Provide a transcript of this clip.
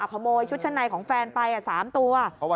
ขโมยชุดชั้นในของแฟนไป๓ตัว